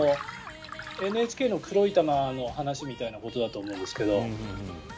ＮＨＫの黒い玉の話みたいなことだと思うんですけど。